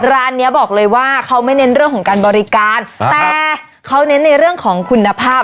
ร้านเนี้ยบอกเลยว่าเขาไม่เน้นเรื่องของการบริการแต่เขาเน้นในเรื่องของคุณภาพ